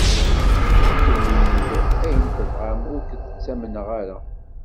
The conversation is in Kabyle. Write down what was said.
Inim-d ayen tebɣam, ur ken-ttamneɣ ara.